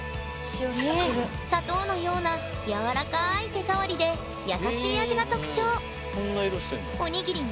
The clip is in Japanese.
砂糖のようなやわらかい手触りで優しい味が特徴。へこんな色してんだ。